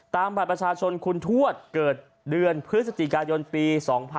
บัตรประชาชนคุณทวดเกิดเดือนพฤศจิกายนปี๒๕๖๒